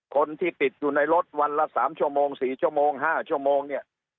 คนที่ติดอยู่ในรถวันละ๓ชั่วโมง๔ชั่วโมง๕ชั่วโมงเนี่ย